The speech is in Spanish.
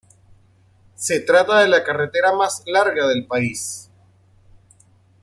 Se trata de la carretera más larga del país.